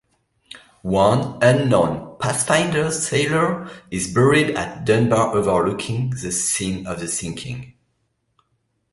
One unknown "Pathfinder" sailor is buried at Dunbar overlooking the scene of the sinking.